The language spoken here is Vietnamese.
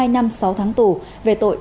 hai năm sáu tháng tù về tội